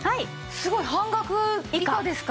すごい！半額以下ですか？